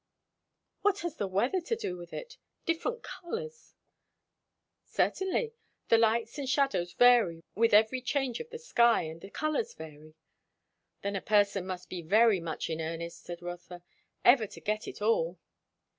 "What has the weather to do with it? Different colours?" "Certainly. The lights and shadows vary with every change of the sky; and the colours vary." "Then a person must be very much in earnest," said Rotha, "ever to get it all."